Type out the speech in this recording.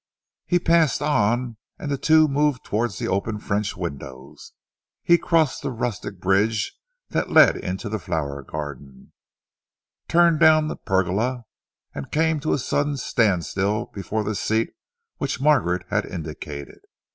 He passed on and the two moved towards the open French windows. He crossed the rustic bridge that led into the flower garden, turned down the pergola and came to a sudden standstill before the seat which Margaret had indicated.